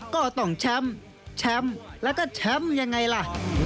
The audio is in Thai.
ก็ต้องแชมป์แชมป์แล้วก็แชมป์ยังไงล่ะ